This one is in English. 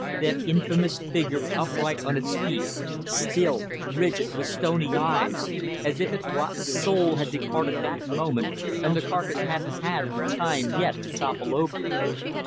That infamous figure upright on its feet, still, rigid, with stony eyes, as if its rotten soul had departed that moment and the carcass hadn't had the time yet to topple over.